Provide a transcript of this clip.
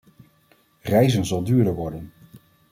Reizen zal duurder worden.